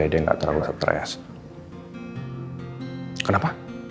jangan mau n trusts thing setin